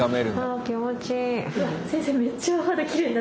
あ気持ちいい。